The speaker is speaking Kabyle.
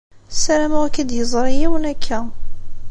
Sarameɣ ur k-id-yeẓṛi yiwen akka.